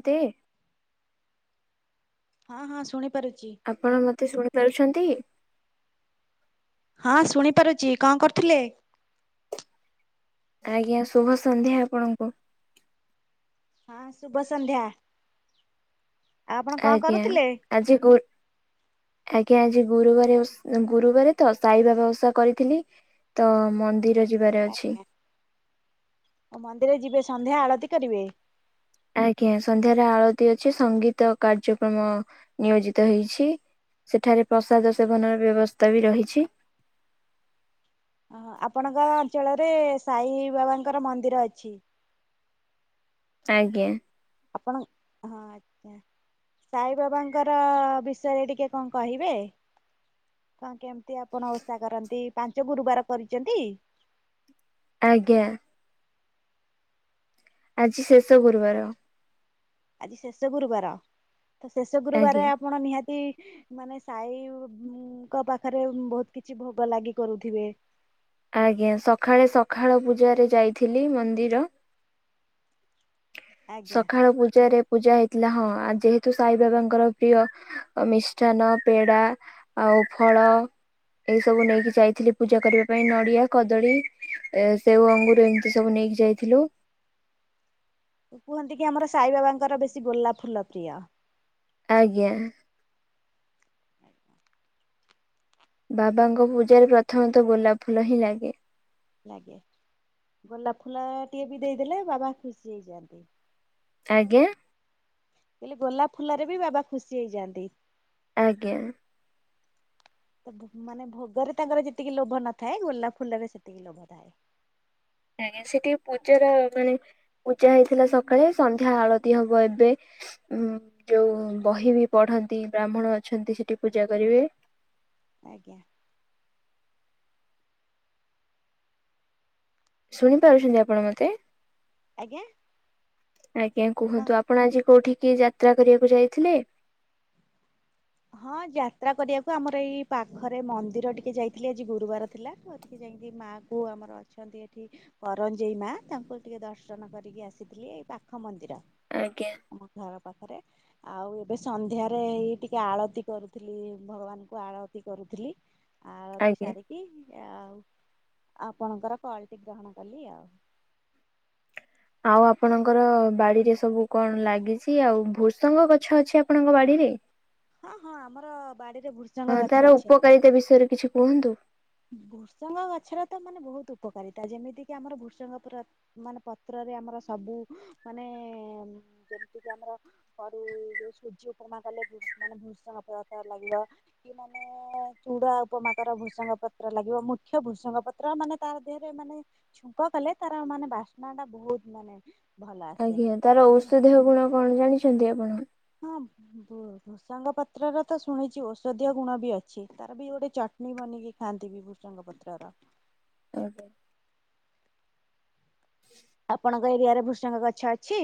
ଅନ୍ତେ। ହଁ ହଁ ଶୁଣିପାରୁଚି। ଆପଣ ମତେ ଶୁଣିପାରୁଛନ୍ତି? ହଁ ଶୁଣିପାରୁଚି କଣ କରୁଥିଲେ? ଆଜ୍ଞା ଶୁଭ ସନ୍ଧ୍ୟା ଆପଣଙ୍କୁ। ହଁ ଶୁଭ ସନ୍ଧ୍ୟା। ଆପଣ କଣ ଆଜ୍ଞା କରୁଥିଲେ? ଆଜି ଗୁ ଆଜ୍ଞା ଆଜି ଗୁରୁବାରେ ଓଷ ଗୁରୁବାରେ ତ ସାଇ ବାବା ଓଷା କରିଥିଲି। ତ ମନ୍ଦିର ଯିବାର ଅଛି। ଆଜ୍ଞା ଆଉ ମନ୍ଦିର ଯିବେ ସନ୍ଧ୍ୟା ଆଳତି କରିବେ। ଆଜ୍ଞା ସନ୍ଧ୍ୟାରେ ଆଳତି ଅଛି ସଙ୍ଗୀତ କାର୍ଯ୍ୟକ୍ରମ ନିୟୋଜିତ ହେଇଛି। ସେଠାରେ ପ୍ରସାଦ ସେବନର ବ୍ୟବସ୍ଥା ବି ରହିଛି। ଅହ ଆପଣଙ୍କ ଅଞ୍ଚଳରେ ସାଇ ବାବାଙ୍କର ମନ୍ଦିର ଅଛି। ଆଜ୍ଞା। ଆପଣ ହଁ ଆଜ୍ଞା। ସାଇବାବାଙ୍କର ବିଷୟରେ ଟିକେ କଣ କହିବେ। ହଁ କେମିତି ଆପଣ ଓଷା କରନ୍ତି ପାଞ୍ଚ ଗୁରୁବାର କରିଚନ୍ତି। ଆଜ୍ଞା। ଆଜି ଶେଷ ଗୁରୁବାର। ଆଜି ଶେଷ ଗୁରୁବାର ତ ଶେଷ ଆଜ୍ଞା। ଗୁରୁବାରରେ ଆପଣ ନିହାତି ମାନେ ସାଇଙ୍କ ପାଖରେ ବହୁତ କିଛି ଭୋଗ ଲାଗି କରୁଥିବେ। ଆଜ୍ଞା ସକାଳେ ସକାଳ ପୂଜାରେ ଯାଇଥିଲି ମନ୍ଦିର। ଆଜ୍ଞା। ସକାଳ ପୂଜାରେ ପୂଜା ହେଇଥିଲା ହଁ ଯେହେତୁ ସାଇ ବାବାଙ୍କର ପ୍ରିୟ। ମିଷ୍ଟାନ ପେଡା ଆଉ ଫଳ। ଏଇ ସବୁ ନେଇକି ଯାଇଥିଲି ପୂଜା କରିବା ପାଇଁ ନଡିଆ କଦଳୀ। ଏ ସେଉ ଅଙ୍ଗରୁ ଏମିତି ସବୁ ନେଇକି ଯାଇଥିଲୁ। କୁହନ୍ତି କି ଆମର ସାଇ ବାବାଙ୍କର ବେଶୀ ଗୋଲାପ ଫୁଲ ପ୍ରିୟ। ଆଜ୍ଞା। ଆଜ୍ଞା। ବାବାଙ୍କ ପୂଜାରେ ପ୍ରଥମେ ତ ଗୋଲାପ ଫୁଲ ହିଁ ଲାଗେ। ଲାଗେ ଗୋଲାପ ଫୁଲ ଟିକେ ବି ଦେଇଦେଲେ ବାବା ଖୁସି ହେଇଯାଆନ୍ତି। ଆଜ୍ଞା। ହେଲେ ଗୋଲାପ ଫୁଲ ରେ ବି ବାବା ଖୁସି ହେଇଯାଆନ୍ତି। ଆଜ୍ଞା। ତ ମାନେ ଭୋଗରେ ତାଙ୍କର ଯେତିକି ଲେଉ ନଥାଏ ନଗୋଲାପ ଫୁଲ ସେତିକି ଲୋଭ ଥାଏ। ଆଜ୍ଞା ସେଠିକି ପୂଜାର ମାନେ ପୂଜା ହେଇଥିଲା ସକାଳେ ସନ୍ଧ୍ୟା ଆଳତି ହବ ଏବେ। ଉଁ ଯୋଉ ବହି ବି ପଢନ୍ତି ବ୍ରାହ୍ମଣ ଅଛନ୍ତି ସେଠି ପୂଜା କରିବେ। ଆଜ୍ଞା। ଶୁଣିପାରୁଛନ୍ତି ଆପଣ ମୋତେ? ଆଜ୍ଞା। ଆଜ୍ଞା ହଁ। କୁହନ୍ତୁ ଆପଣ ଆଜି କୋଉଠିକି ଯାତ୍ରା କରିବାକୁ ଯାଇଥିଲେ? ହଁ ଯାତ୍ରା କରିବାକୁ ଆମର ଏଇ ପାଖରେ ମନ୍ଦିର ଟିକେ ଯାଇଥିଲି ଆଜି ଗୁରୁବାର ଥିଲା। ଏଠି ଯେମିତି ମାଆ ପୁଅ ଆମର ଅଛୁ। ଅଛନ୍ତି ଏଠି କରଞ୍ଜେଇ ମା ତାଙ୍କୁ ଟିକେ ଦର୍ଶନ କରିକି ଆସିଥିଲି ଏଇ ପାଖ ମନ୍ଦିର। ଆଜ୍ଞା। ଆମ ଘର ପାଖରେ ଆଉ ଏବେ ସନ୍ଧ୍ୟାରେ ଏଇ ଟେ ଆଳତି କରୁଥିଲି ଭଗବାନଙ୍କୁ ଆଳତି କରୁଥିଲି। ଆଳତି ଆଜ୍ଞା। ସାରିକି କି ଆଉ ଆପଣଙ୍କର କଲ୍ ଟି ଗ୍ରହଣ କଲି ଆଉ। ଆଉ ଆପଣଙ୍କର ବାଡିରେ ସବୁ କଣ ଲାଗିଛି ଆଉ ଭୃସଙ୍ଗ ଗଛ ଅଛି ଆପଣଙ୍କ ବାଡିରେ? ହଁ ହଁ ଆମର ବାଡିରେ ଭୃସଙ୍ଗ ହଁ ଗଛ ତାର ଅଛି ଆଜ୍ଞା। ଉପକାରିତା ବିଷୟରେ କିଛି କୁହନ୍ତୁ? ଭୃସଙ୍ଗ ଗଛର ତ ମାନେ ବହୁତ ଉପକାରିତା ଯେମିତି କିି ଆମର ଭୃସଙ୍ଗ ପୁର ମାନେ ପତ୍ରରେ ଆମର ସବୁ ମାନେ ଯେମିତି କି ଆମର ସରି ଯୋଉ ସୁୂଜି ଉପମା କଲେ ମାନେ ଭୂଷଙ୍ଗ ପତ୍ର ଲାଗିବ। କି ମାନେ ଚୁଡା ଉପମାଙ୍କର ଭୃସଙ୍ଗ ପ ପତ୍ର ଲାଗିବ ମୁଖ୍ୟ ଭୃସଙ୍ଗ ପତ୍ର ମାନେ ତା ଦେହରେ ମାନେ ଛୁଙ୍କ କଲେ ତାର ମାନେ ବାସ୍ନା ଟା ବହୁତ ମାନେ ଭଲ ଆସେ। ଆଜ୍ଞା ତାର ଔଷଧୀୟ ଗୁଣ କଣ ଜାଣିଛନ୍ତି ଆପଣ? ହଁ ବ ଭୃଷଙ୍ଗ ପାତ୍ର ର ତ ଶୁଣିଛି ଔଷଧୀୟ ଗୁଣ ବି ଅଛି ତାର ବି ଗୋଟେ ଚଟଣିୀ ବନକି ଖାଆନ୍ତି ବି ଭୃସଙ୍ଗ ପତ୍ରର ର [unintelligible] ଆପଣଙ୍କ ଏରିଆରେ ଭୃଷଙ୍ଗ ଗଛ ଅଛି?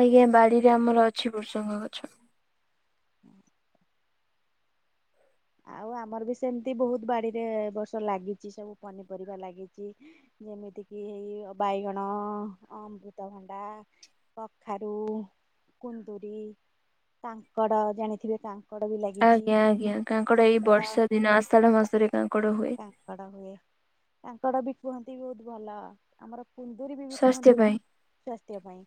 ଆଜ୍ଞା ବାଡିରେ ଆମର ଅଛି ବୃସଙ୍ଗ ଗଛ। ହୁଁ ଆଉ ଆମର ବି ସେମିତି ବହୁତ ବାଡିରେ ଏ ବର୍ଷ ଲାଗିଛି ସବୁ ପନିପରିବା ଲାଗିଛି। ଯେମିତିକି ବାଇଗଣ ଅମୃତଭଣ୍ଡା କଖାରୁ କୁନ୍ଦୁରିୀ କାଙ୍କଡ ଜାଣିଥିବେ ତାଙ୍କ ଙ୍କଡ଼ ବି ଲାଗିଛି। ଆଜ୍ଞା ଆଜ୍ଞା କାଙ୍କଡ ଏଇ ପୋଟଳ, ବର୍ଷା ଦିନ ଆଷାଢ ମାସରେ କାଙ୍କଡ ହୁଏ। କାଙ୍କଡ ହୁଏ କାଙ୍କଡ ବି କୁହନ୍ତି ବହୁତ ଭଲ ଆମର କୁନ୍ଦୁରିୀ ବି ସ୍ୱାସ୍ଥ୍ୟ କୁହନ୍ତି ପାଇଁ ଭ ସ୍ଵାସ୍ଥ୍ୟ ପାଇଁ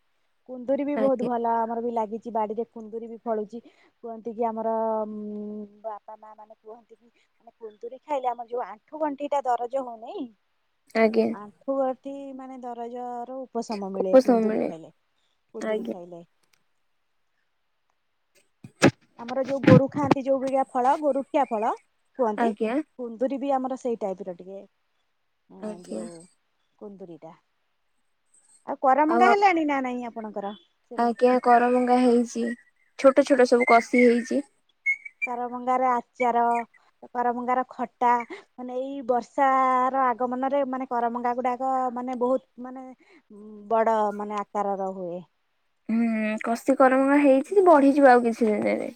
କୁନ୍ଦୁରୀ ବି ବହୁତ ଆଜ୍ଞା ଭଲ ଆମର ବି ଲାଗିଛି ବାଡିରେ। କୁନ୍ଦୁରି ବି ଫଳୁଛି କୁହନ୍ତି କି ଆମର ଉଁ ବାପା ମା ମାନେ କୁହନ୍ତି କି କୁନ୍ଦୁରି ଖାଇଲେ ଆମ ଯୋଉ ଆଣ୍ଠୁ ଗଣ୍ଠି ଟା ଦରଜ ହଉନି ଆଜ୍ଞା ଆଣ୍ଠ୍ ଠୁଅଣ୍ଠି ମାନେ ଦରଜର ଉପଶମ ମିଳେ କୁନ୍ଦୁରି ଖାଇଲେ କୁନ୍ଦୁରି ଆଜ୍ଞା ଖାଇଲେ। ଆମର ଯୋଉ ଗୋରୁ ଖାଆନ୍ତି ଯୋଉ ଗୁରିଆ ଫଳ ଗୋରୁଖିଆ ଫଳ କୁହନ୍ତି। ଆଜ୍ଞା। କୁନ୍ଦୁରି ବି ଆମର ସେଇ ଟାଇପ୍ର ଟିକେ ଉଁ ଯେଉଁ ଆଜ୍ଞା। କୁନ୍ଦୁରିଟା ଆଉ କରମଙ୍ଗା ହେଲାଣି ନା ନାଇଁ ଆପଣଙ୍କର। ସେ ନାଇଁ ଆଜ୍ଞା କରମଙ୍ଗା ହେଇଛି ଛୋଟ ଛୋଟ ସବୁ କଷି ହେଇଛି। କରମଙ୍ଗାରେ ଆଚାର କରମଙ୍ଗାର ଖଟା ମାନେ ଏଇ ବର୍ଷା ର ଆଗମନରେ ମାନେ କରମଙ୍ଗା ଗୁଡା ଅ ମାନେ ବହୁତ୍ ମାନେ ବଡ ମାନେ ଆକାରର ହୁଏ। ହୁଁ କଷି କରମଙ୍ଗା ହେଇଛି ବଢିଯିବ ଆଉ କିଛି ଦିନରେ।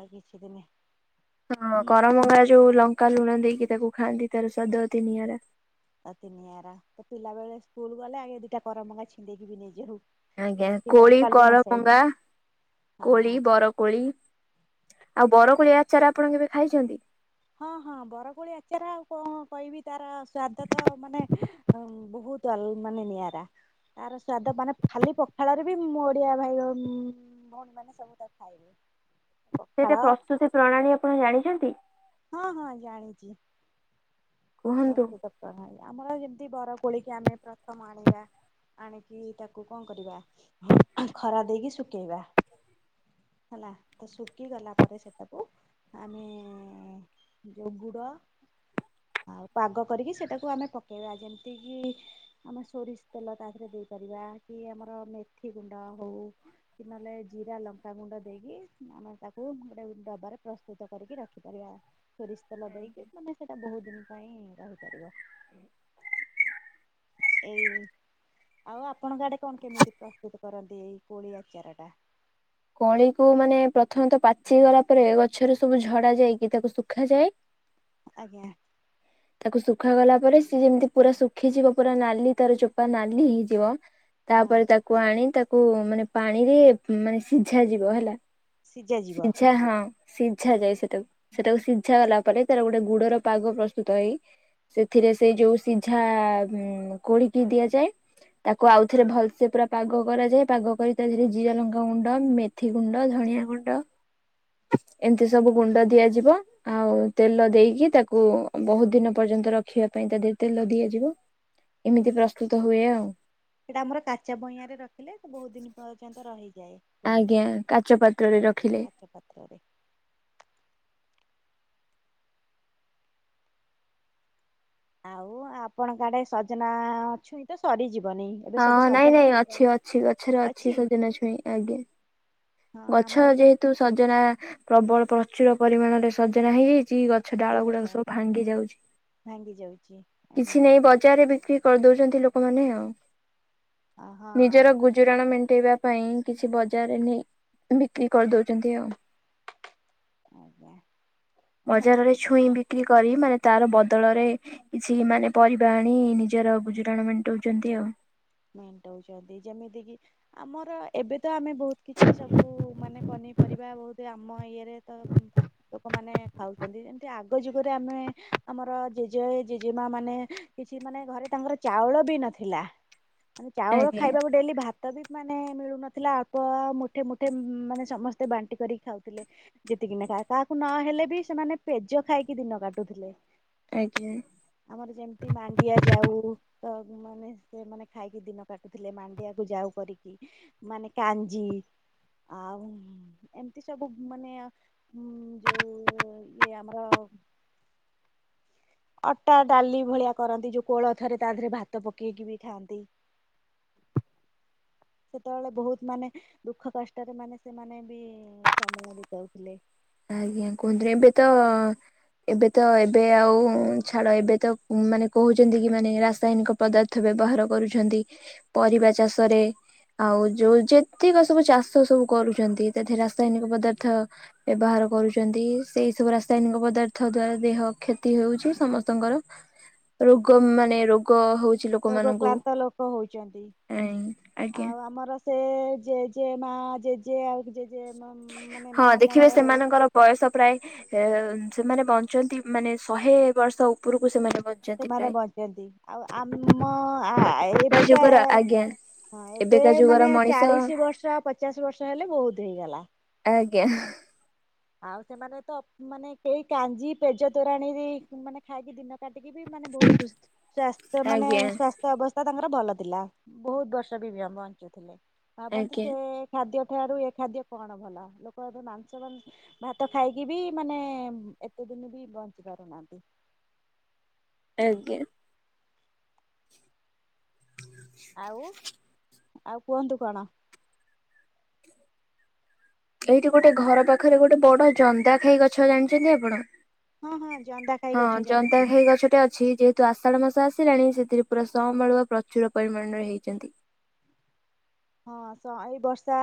ଆଉ କିଛି ଦିନେ ହଁ କରମଙ୍ଗା ଯୋଉ ଲଙ୍କା ଲୁଣ ଦେଇକି ତାକୁ ଖାଆନ୍ତି ତାର ସ୍ଵାଦ ଅତି ନିଆରା। ଅତି ନିିଆରା ତ ପିଲାବେଳେ ସ୍କୁଲ ଗଲେ ଆଗେ ଦିଟା କରମଙ୍ଗା ଛିଣ୍ଡେଇକି କିରି ନେଇକି ଆଉ। ଆଜ୍ଞା କୋଳି, କରମଙ୍ଗା, ହଁ କୋଳି, ବର କୋଳି ଆଉ ବରକୋଳି ଆଚାର ଆପଣ କେବେ ଖାଇଛନ୍ତି? ହଁ ହଁ ବରକୋଳି ଆଚାର ଆଉ କଣ କହିବି ତାର ସ୍ଵାଦ ତ ମାନେ ହ ବହୁତ ଅଲ୍ ମାନେ ନିଆରା। ତାର ସ୍ଵାଦ ମାନେ ଖାଲି ପଖାଳରେ ବି ମୋ ଓଡିଆ ଭାଇ ଅ ଭଉଣୀ ମାନେ ସବୁ ତା ଖାଏ ସେଟା ପ୍ରସ୍ତୁତି ପ୍ରଣାଳୀ ଆପଣ ଜାଣିଛନ୍ତି? ହଁ ହଁ ଜାଣିଛି। କୁହନ୍ତୁ? ପ୍ରସ୍ତୁତ ପ୍ରଣାଳୀ ଆମର ଯେମ୍ ତି ବର କୋଳିକି ଆମେ ପ୍ରଥମ ଆଣିବା। ଆଣିକି ତାକୁ କଣ କରିବା? ହଁ ହ ଖରା ଦେଇକି ଶୁଖେଇବା। ହେଲା ତ ଶୁଖିଗଲା ପରେ ସେଟାକୁ ଆମେ ଜ‌ଉ ଗୁଡ଼ ଆଉ ପାଗ କରିକି ସେଟାକୁ ଆମେ ପକେଇବା ଯେମ୍ ତି କିି ଆମେ ସୋରିଷ୍ ତେଲ ତା ଧେରେ ଦେଇପାରିବା କି ଆମର ମେଥି ଗୁଣ୍ଡ ହଉ। କି ନଲେ ଜିରା ଲଙ୍କାଗୁଣ୍ଡ ଦେଇକି ଆମେ ତା କୁ ଗୋଟେ ଡବାରେ ପ୍ରସ୍ତୁତ କରିକି ରଖିପାରିବା ସୋରିଷ ତେଲ ଆଜ୍ଞା। ଦେଇକି ମାନେ ସେଇଟା ବହୁତ୍ ଦିନ୍ ପାଇଁ ରହିପାରିବ। ଏଇ ଆଉ ଆପଣଙ୍କ ଆଡେ କଣ କେମିତି ପ୍ରସ୍ତୁତ କରନ୍ତି ଏଇ କୋଳି ଆଚାର ଟା? କୋଳିକୁୁ ମାନେ ପ୍ରଥମତ ପାଚି ଗଲା ପରେ ଗଛରେ ସବୁ ଝଡା ଯାଇକି ତାକୁ ଶୁଖାଯାଏ। ଆଜ୍ଞା। ତାକୁ ଶୁଖାଗଲା ପରେ ସି ଯେମ୍ତି ପୁରା ଶୁଖିଯିବ। ପୁରା ନାଲି ତାର ଚୋପା ନାଲି ହେଇଯିବ। ହଁ। ତାପରେ ତାକୁ ଆଣି ତାକୁ ମାନେ ପାଣିରେ ମାନେ ସିଝା ଯିବ ହେଲା। ସିଝା ଯିବ। ସିଝା ହଁ ସିଝା ଯାଏ ସେଟାକୁ ସେଟାକୁ୍ ସିଝା ଗଲା ପରେ ତାର ଗୋଟେ ଗୁଡର ପାଗ ପ୍ରସ୍ତୁତ ହେଇ ସେଥିରେ ସେଇ ଯୋଉ ସିଝା ଉଁ କୋଳିକି ଦିଆଯାଏ। ତାକୁ ଆଉଥରେ ଭଲ୍ସେ ପୁରା ପାଗ କରାଯାଏ ପାଗ କରି ତାରେ ଜିରା ଲଙ୍କା ଙ୍ଗୁ ଣ୍ଡ ମେଥି ଗୁଣ୍ଡ ଧଣିଆ ଗୁଣ୍ଡ ଏମତି ସବୁ ଗୁଣ୍ଡ ଦିଆଯିବ। ଆଉ ତେଲ ଦେଇକି ତାକୁ ବହୁତ୍ ଦିନ ପର୍ଯ୍ୟନ୍ତ ରଖିବା ପାଇଁ ତା ଦେହ ତେଲ ଦିଆଯିବ। ଏମିତି ପ୍ରସ୍ତୁତ ହୁଏ ଆଉ। ସେଟା ଆମର କାଚ ବଇଁଆରେ ରଖିଲେ ସେ ବହୁତ୍ ଦିନ୍ ପର୍ଯ୍ୟନ୍ତ ରହିଯାଏ। ଆଜ୍ଞା କାଚ ପାତ୍ରରେ ରଖିଲେ। ଚ ପାତ୍ରରେ ଆଉ ଆପଣଙ୍କ ଆଡେ ସଜନା ଛୁଇଁ ତ ସରିଯିବନି। ଏବେ ହଁ ସବୁ ନାଇଁ ସଜନା ନାଇଁ ଶାଗ ଅଛି ଅଛି ଗଛରେ ଅଛି ସଜନା ଛୁଇଁ ଆଜ୍ଞା। ହଁ ଆମ ଗଛ ଏପଟ ଯେହେତୁ ସଜନା ପ୍ରବଳ ପ୍ରଚୁର ପରିମାଣରେ ସଜନା ହେଇଯାଇଛି। ଗ ଗଛ ଡାଳ ଏଇ ଗୁଡାକ ବର୍ଷ ସବୁ ଭାଙ୍ଗି ଯାଉଛି ଭାଙ୍ଗି ଯାଉଛି ଆଜ୍ଞା କିଛି ନେଇ ବଜାରରେ ବିକ୍ରି କରିବି। କରିଦଉଛନ୍ତି ଲୋକମାନେ ଆଉ ହଁ ନିଜର ଗୁ ଗୁଜରାଣ ମେଣ୍ଟାଇବା ପାଇଁ କିଛି ବଜାରରେ ନେଇ ବିକ୍ରି କରିଦଉଛନ୍ତି ଆଉ। ଆଜ୍ଞା ବଜାରରେ ଛୁଇଁ ବି ବିକ୍ରି କରି ମାନେ ତାର ବଦଳରେ ସେଇମାନେ ପରିବା ଆଣି ତାର ଗୁଜୁରାଣ ମେଣ୍ଟାଉଛନ୍ତି ଆଉ ମେଣ୍ଟଉଛନ୍ତି ଯେମିତି କି ଆମର ଏବେ ତ ଆମେ ବହୁତ କିଛି ସବୁ ମାନେ ପନିପରିବା ବହୁତ ଆମ ଇଏରେ ତ, ଲୋକମାନେ ଖାଉଛନ୍ତି ଯେମତି ଆଗ ଯୁଗରେ ଆମେ ଆମର ଜେଜେ ଜେଜେମା ମାନେ କିଛି ମାନେ ଘରେ ତାଙ୍କର ଚାଉଳ ବି ନଥିଲା। ମେ ଚାଉଳ ଆଜ୍ଞା ଖାଇବାକୁ ଡେଲି ଭା ତ ବି ମାନେ ମିଳୁନଥିଲା ଅଳ୍ପ ମୁଠେ ମୁଠେ ମାନେ ସମସ୍ତେ ବାଣ୍ଟି କରିକି ଖାଉଥିଲେ। ଯେତିକି ନେଖା କାହାକୁ ନହେଲେ ବି ସେମାନେ ପେଜ ଖାଇକି ଦିନ କାଟୁଥିଲେ। ଆଜ୍ଞା। ଆମର ଯେମିତି ମାଣ୍ଡିଆ ଯାଉ ତ ମାନେ ସେ ମାନେ ଖାଇକି ଦିନ କାଟୁଥିଲେ ମାଣ୍ଡିଆକୁ ଯାଉ କରି କି ମାନେ କାଞ୍ଜି ଆଉ ଏମିତି ସବୁ ମାନେ ଯୋଉ ଇଏ ଆମର ବ ଅଟା ଡାଲି ଭଳିଆ କରନ୍ତି ଯୋଉ କୋଳଥରେ ତା ଦେହରେ ଭାତ ପକେଇକି ବି ଖାଆନ୍ତି। ସେତେବେଳେ ବହୁତ ମାନେ ଦୁଃଖ କଷ୍ଟରେ ମାନେ ସେମାନେ ବି। ହୁଁ ସମୟ ବିତାଉଥିଲେ। ଆଜ୍ଞା କୁହନ୍ତ ଏବେ ତ। ଏବେ ତ ଏବେ ଆଉ ଛାଡ ଏବେ ତ ମାନେ କହୁଛନ୍ତି କି ମାନେ ରାସାୟନିକ। ପଦାର୍ଥ ବ୍ୟବହାର କରୁଛନ୍ତି ପରିବା ଚାଷରେ। ଆଉ ଯୋଉ ଯେତିକ ସବୁ ଚାଷ ସବୁ କରୁଛନ୍ତି ତା ଧିଏରେ ରାସାୟନିକ ପଦାର୍ଥ। ବ୍ୟବହାର କରୁଛନ୍ତି ସେଇ ସବୁ ରାସାୟନିକ ପଦାର୍ଥ ଦ୍ଵାରା ଦେହ କ୍ଷତି ହଉଛି ସମସ୍ତଙ୍କର। ରୋଗ ମାନେ ରୋଗ ହଉଛି। ରୋଗ ଲୋକମାନଙ୍କୁ କ୍ରନ୍ତ ଲୋକ ହଉଛନ୍ତି ଆଜ୍ଞା ଆଉ ଆମର। ସେ ଜେଜେ ମା ଜେଜେ ଆଉ ଜେଜେ ମା ମାନେ ହଁ ମା ଦେଖିବେ ଅମଳ ରେ। ସେମାନଙ୍କର ବୟସ ପ୍ରାୟ ସେମାନେ ବଞ୍ଚନ୍ତି ମାନେ ଶହେ ବର୍ଷ ଉପରକୁ ସେମାନେ ବ ସେମାନେ ବଞ୍ଚନ୍ତି ଆଉ ଆମ କା ଏବେକା। ଯୁଗର ଆଜ୍ଞା ହଁ ଏବେ ଏବେକା ଯୁଗର ମାନେ ମଣିଷ ଚାଳିଶ ବର୍ଷ ପଚାଶ ବର୍ଷ ହେଲେ ବହୁତ ହେଇଗଲା। ଆଜ୍ଞା। ଆଉ ସେମାନେ ତ ମାନେ ସେଇ କାଞ୍ଜି ପେଜ ତୋରାଣୀ ମାନେ। ଖାଇକି ଦିନ କାଟିକି ବି ମାନେ ବହୁତ ଶୁସ୍ ଶ୍ଵାସ୍ଥ୍ୟ ମାନେ ଆଜ୍ଞା ସ୍ ସ୍ଵାସ୍ଥ୍ୟ ଅବସ୍ଥା ତାଙ୍କର ଭଲ ଥିଲା ବହୁତ ବର୍ଷ ବି ବଞ୍ଚୁଥିଲେ ଭାବନ୍ତୁ ଆଜ୍ଞା। ସେ। ଖାଦ୍ୟ ଠାରୁ ଏ ଖାଦ୍ୟ କଣ ଭଲ ଲୋକ ମା ଭାତ ଖାଇକି ବି ମାନେ ଏତେ ଦିନ ବି ବଞ୍ଚି ପାରୁନାହାନ୍ତି। ଆଜ୍ଞା। ଆଉ। ଆଉ କୁହନ୍ତୁ କଣ? ଏଇଠି ଗୋଟେ ଆମର ଘର ପାଖରେ ଗୋଟେ ବଡ ଜନ୍ଦା ଖାଇ ଗଛ ଜାଣିଛନ୍ତି ଆପଣ। ହଁ ହଁ ଜନ୍ଦା ଖାଇ ହଁ ଗଛ ଜନ୍ତା ଜାଣିଛି। ଖାଇ ଗଛ ଟେ ଅ ଅଛି ଯେହେତୁ ଆଷାଢ ମାସ ଆସିଲାଣି ସେଥିରେ ପୁରା ସଁ ବାଳୁଆ ପ୍ରଚୁର ପରିମାଣରେ ହୋଇଛନ୍ତି। ହଁ ସ ଏଇ ବର୍ଷ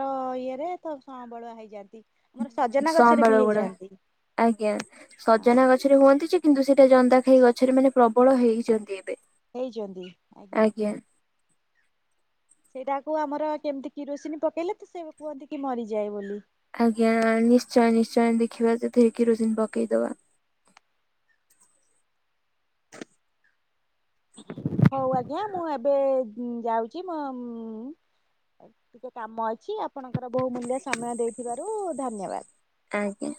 ର ଇଏରେ ତ ସଅଁ ବାଳୁଆ ହେଇଯାଆନ୍ତି। ଆମର ହୁଁ ସଜନା ସଅଁ ଗଛରେ ବି ବଳୁଆ ଗୁଡ଼ା ହେଇଯାଆନ୍ତି ଆଜ୍ଞା ହଁ। ସଜନା ଗଛ ଗଛରେ ହୁଅନ୍ତି ଯେ କିନ୍ତୁ ସେଇଟା ଜନ୍ଦା ଖାଇ ଗଛରେ ମାନେ ପ୍ରବଳ ହେଇଛନ୍ତି ଏବେ। ହେଇଛନ୍ତି ଆଜ୍ଞା। ସେଇଟାକୁ ଆମର କେମିତି କିରୋସିନ ପକେଇଲେ ତ ସେ କୁହନ୍ତି କି ମରିଯାଏ ବୋଲି। ଆଜ୍ଞା ନିଶ୍ଚୟ ନିଶ୍ଚୟ ଦେଖିବା ସେଥେରେ କିରୋସିିନ ପକେଇଦବା। ହଉ ଆଜ୍ଞା ମୁଁ ଏବେ ଯାଉଛି ମୋ ମ ଆଉ ଟିକେ କାମ ଅଛି ଆପଣଙ୍କର ବହୁ ମୂଲ୍ୟ ସମୟ ଦେଇଥିବାରୁ ଧନ୍ୟବାଦ। ଆଜ୍ଞା।